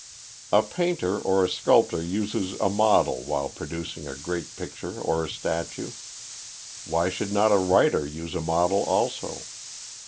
A painter or a sculptor uses a model while producing a great picture or a statue. Why should not a writer use a model also?